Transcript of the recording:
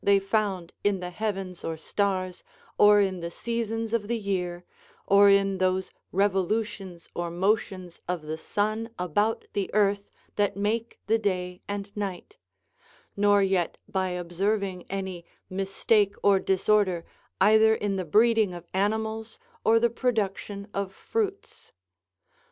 For men were not at first made atheists by any fault they found in the heavens or stars, or in the seasons of the year, or in those revolutions or motions of the sun about the earth that make the day and night ; nor yet by observing any mistake or disorder either in the breeding of animals or the production of fruits.